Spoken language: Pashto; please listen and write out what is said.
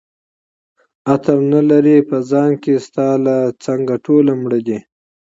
عطر نه لري په ځان کي ستا له څنګه ټوله مړه دي